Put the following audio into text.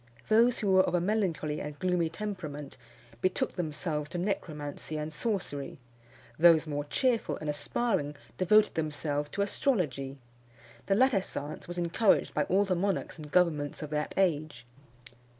Those who were of a melancholy and gloomy temperament betook themselves to necromancy and sorcery; those more cheerful and aspiring devoted themselves to astrology. The latter science was encouraged by all the monarchs and governments of that age.